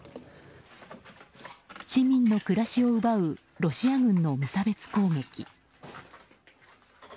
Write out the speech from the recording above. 市民の暮らしを奪うロシア軍の無差別攻撃。